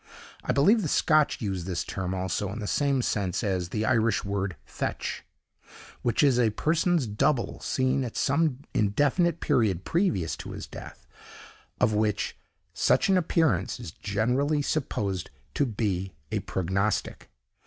I believe the Scotch use this term also in the same sense as the Irish word fetch; which is a person's double seen at some indefinite period previous to his death, of which such an appearance is generally supposed to be a prognostic.